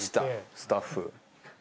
スタッフ。